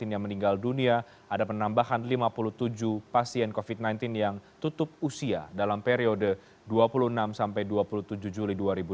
yang meninggal dunia ada penambahan lima puluh tujuh pasien covid sembilan belas yang tutup usia dalam periode dua puluh enam sampai dua puluh tujuh juli dua ribu dua puluh